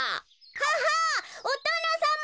「ははっおとのさま」。